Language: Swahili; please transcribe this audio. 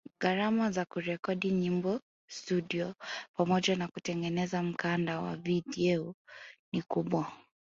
Gharama za kurekodi nyimbo studio pamoja na kutengeneza mkanda wa video ni kubwa